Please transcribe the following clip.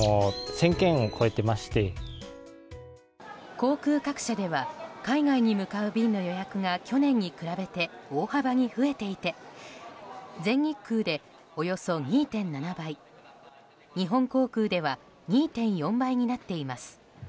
航空各社では海外に向かう便の予約が去年に比べて大幅に増えていて全日空でおよそ２．７倍日本航空では２．４倍になっています。